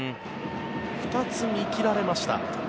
２つ見切られました。